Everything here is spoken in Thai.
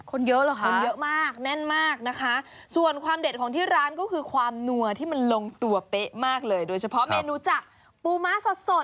คนเยอะเหรอคะคนเยอะมากแน่นมากนะคะ